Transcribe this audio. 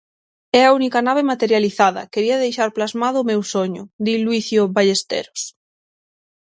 É a única nave materializada, quería deixar plasmado o meu soño, di Luicio Ballesteros.